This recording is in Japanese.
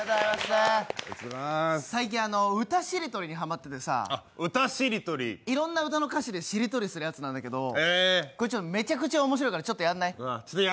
最近、歌しりとりにハマっててさ、いろんな歌の歌詞でしりとりするやつなんだけどめちゃくちゃ面白いからちょっとやんない？